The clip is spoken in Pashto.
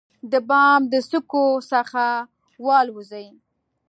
د بام د څوکو څخه والوزي،